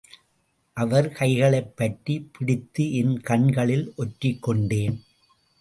அவர் கைகளைப் பற்றி பிடித்து என் கண்களில் ஒற்றிக்கொண்டேன்.